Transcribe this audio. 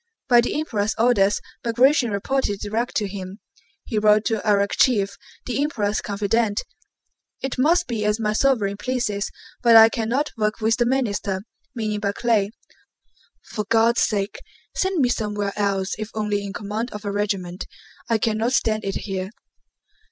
By the Emperor's orders Bagratión reported direct to him. He wrote to Arakchéev, the Emperor's confidant: "It must be as my sovereign pleases, but I cannot work with the Minister (meaning Barclay). For God's sake send me somewhere else if only in command of a regiment. I cannot stand it here.